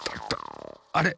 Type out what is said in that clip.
あれ？